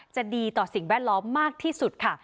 จะดีต่อสิ่งแวดล้อมมากที่สุดค่ะ